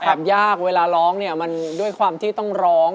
เพราะว่าเรื่องร้องเนี่ยมันด้วยความที่ต้องร้อง